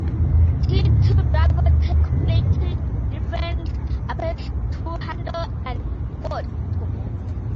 These two drivers take completely different approaches to handle the protocol.